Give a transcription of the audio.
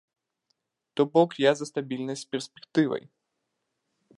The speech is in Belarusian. То бок, я за стабільнасць з перспектывай!